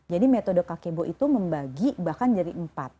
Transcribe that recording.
jadi metode kakebo itu membagi bahkan jadi empat